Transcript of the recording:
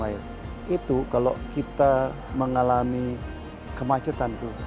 itu kalau kita mengalami kemacetan itu